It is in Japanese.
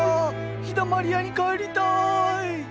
陽だまり屋に帰りたい！